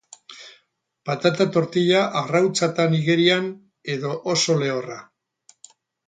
Patata tortilla arrautzatan igerian edo oso lehorra?